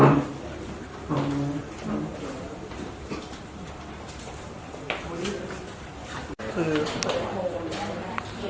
นี่ค่ะเดินให้เจ้าหาพี่ปุ๊ยอยู่ตรงนี้